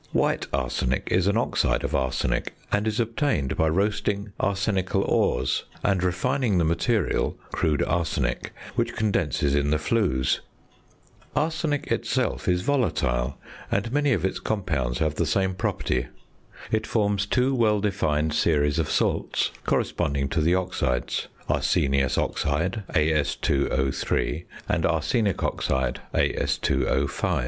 White arsenic is an oxide of arsenic, and is obtained by roasting arsenical ores, and refining the material (crude arsenic), which condenses in the flues. Arsenic itself is volatile, and many of its compounds have the same property. It forms two well defined series of salts, corresponding to the oxides: arsenious oxide (As_O_), and arsenic oxide (As_O_).